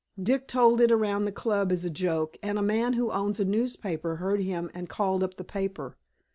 Dick told it around the club as a joke, and a man who owns a newspaper heard him and called up the paper.